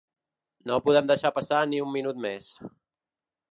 No podem deixar passar ni un minut més.